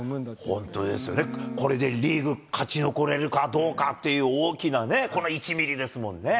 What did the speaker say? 本当ですよね、これでリーグ勝ち残れるかどうかっていう大きなね、この１ミリですもんね。